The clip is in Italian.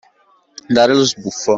Dare lo sbruffo.